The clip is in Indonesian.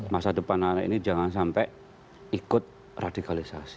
masa depan anak ini jangan sampai ikut radikalisasi